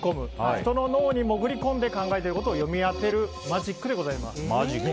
人の脳に潜り込んで考えていることを読み当てるマジックでございます。